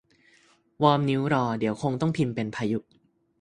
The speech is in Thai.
วอร์มนิ้วรอ เดี๋ยวคงต้องพิมพ์เป็นพายุ